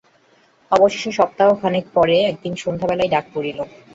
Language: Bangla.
অবশেষে সপ্তাহখানেক পরে একদিন সন্ধ্যাবেলায় ডাক পড়িল।